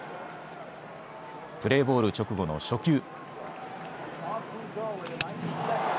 プレーボール直後の初球。